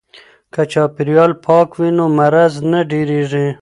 که چاپیریال پاک وي نو مرض نه ډیریږي.